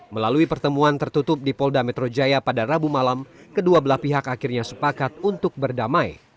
melalui pertemuan tertutup di polda metro jaya pada rabu malam kedua belah pihak akhirnya sepakat untuk berdamai